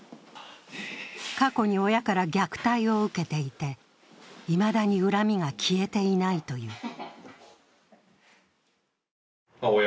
過去に親から虐待を受けていて、いまだに恨みが消えていないという。